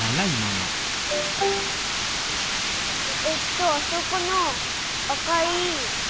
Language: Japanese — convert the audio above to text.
えっとあそこのあかい。